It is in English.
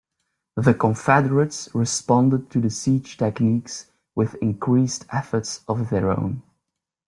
The Confederates responded to the siege techniques with increased efforts of their own.